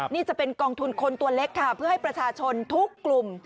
นี่จะเป็นกองทุนคนตัวเล็กค่ะเพื่อให้ประชาชนทุกกลุ่ม